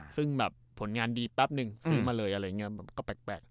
ซึ่งแบบผลงานดีแป๊บนึงซื้อมาเลยอะไรอย่างนี้ก็แปลก